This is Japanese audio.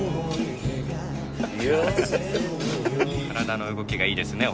体の動きがいいですね